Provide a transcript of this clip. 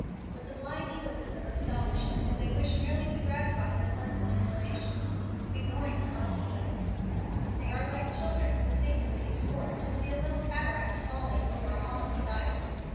With the blind egotism of selfishness, they wish merely to gratify their present inclinations, ignoring the consequences. They are like children who think it would be sport to see a little cataract falling over a Holland dike.